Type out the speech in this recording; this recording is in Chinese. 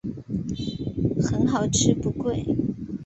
很好吃不贵